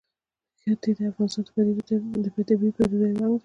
ښتې د افغانستان د طبیعي پدیدو یو رنګ دی.